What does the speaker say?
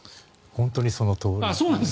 本当にそのとおり。